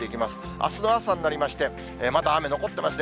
あすの朝になりまして、まだ雨残ってますね。